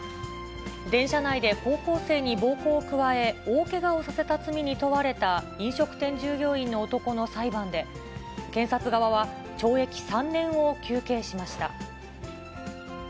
電車内で高校生に暴行を加え、大けがをさせた罪に問われた、飲食店従業員の男の裁判で、検察側は懲役３年を求刑しました。